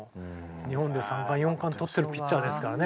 日本で３冠４冠取ってるピッチャーですからね。